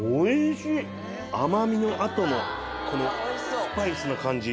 甘みのあとのこのスパイスな感じ。